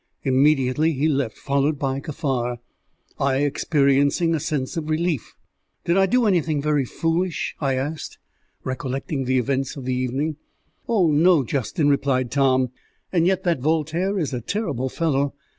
Immediately he left, followed by Kaffar, I experiencing a sense of relief. "Did I do anything very foolish?" I asked, recollecting the events of the evening. "Oh no, Justin," replied Tom. "And yet that Voltaire is a terrible fellow.